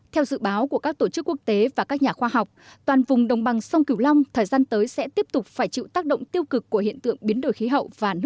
theo dự báo của các tổ chức quốc tế và các nhà khoa học toàn vùng đồng bằng sông cửu long thời gian tới sẽ tiếp tục phải chịu tác động tiêu cực của hiện tượng biến đổi khí hậu